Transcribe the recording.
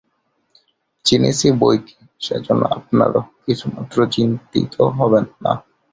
চিনেছি বৈকি, সেজন্যে আপনারা কিছুমাত্র চিন্তিত হবেন না।